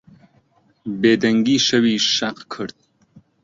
بێدەنگیی شەوی شەق کرد.